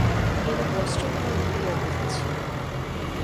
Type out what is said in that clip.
এইবার বষ্টন আর নিউ ইয়র্কে যাচ্ছি।